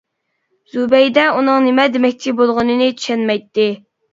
زۇبەيدە ئۇنىڭ نېمە دېمەكچى بولغىنىنى چۈشەنمەيتتى.